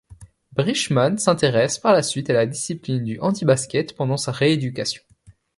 Brießmann s'intéresse par la suite à la discipline du handibasket pendant sa rééducation.